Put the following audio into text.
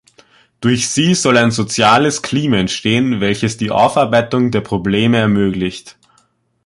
Durch sie soll ein soziales Klima entstehen, welches die Aufarbeitung der Probleme ermöglicht.